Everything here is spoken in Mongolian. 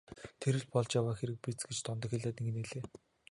Тэр л болж яваа хэрэг биз ээ гэж Дондог хэлээд инээлээ.